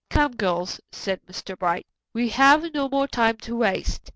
"Come, girls," said Mr. Bright. "We have no more time to waste.